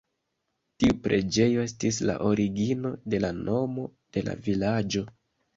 Tiu preĝejo estis la origino de la nomo de la vilaĝo.